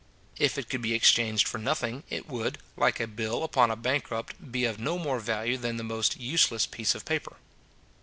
If it could be exchanged for nothing, it would, like a bill upon a bankrupt, be of no more value than the most useless piece of paper.